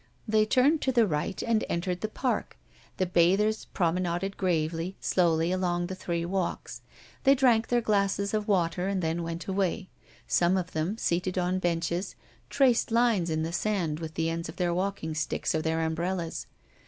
They turned to the right, and entered the park. The bathers promenaded gravely, slowly, along the three walks. They drank their glasses of water, and then went away. Some of them, seated on benches, traced lines in the sand with the ends of their walking sticks or their umbrellas.